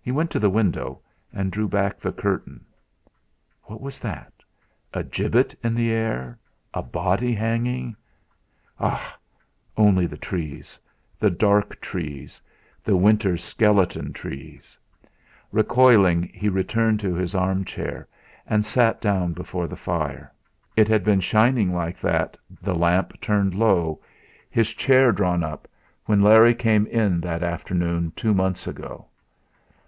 He went to the window and drew back the curtain. What was that? A gibbet in the air, a body hanging? Ah! Only the trees the dark trees the winter skeleton trees! Recoiling, he returned to his armchair and sat down before the fire. It had been shining like that, the lamp turned low, his chair drawn up, when Larry came in that afternoon two months ago.